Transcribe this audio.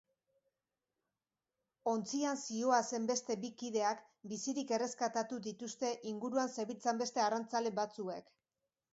Ontzian zihoazen beste bi kideak bizirik erreskatatu dituzte inguruan zebiltzan beste arrantzale batzuek.